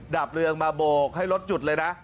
ดาบเรืองมาโบกให้รถหยุดเลยนะ